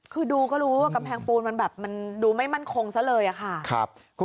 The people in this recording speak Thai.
คือดูก็รู้ว่ากำแพงปูนมันแบบมันดูไม่มั่นคงซะเลยอะค่ะ